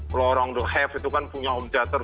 kalau orang do have itu kan punya home theater